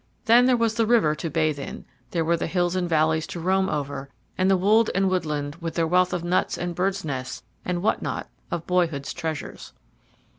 Then there was the river to bathe in; there were the hills and valleys to roam over, and the wold and woodland, with their wealth of nuts and birds' nests and what not of boyhood's treasures.